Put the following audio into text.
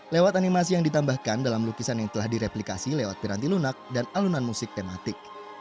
lewat animasi yang ditambahkan dalam lukisan yang telah direplikasi lewat piranti lunak dan alunan musik tematik